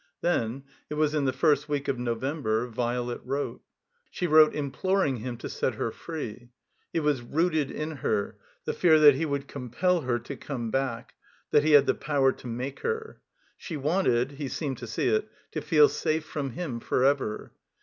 Then — it was in the first week of November — Violet wrote. She wrote imploring him to set her free. It was rooted in her, the fear that he would compel her to come back, that he had the power to make her. She wanted (he seemed to see it) to feel safe from him forever.